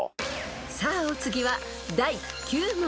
［さあお次は第９問］